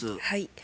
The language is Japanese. はい。